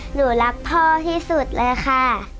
หนูรักพ่อที่สุดเลยค่ะ